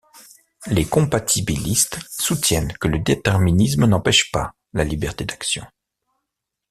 Les compatibilistes soutiennent que le déterminisme n'empêche pas la liberté d'action.